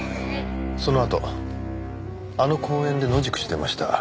そのあとあの公園で野宿してました。